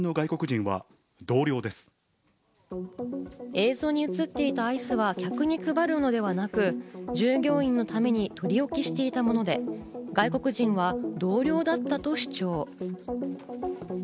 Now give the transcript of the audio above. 映像に映っていたアイスは客に配るものではなく、従業員のために取り置きしていたもので、外国人は同僚だったと主張。